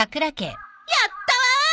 やったわ！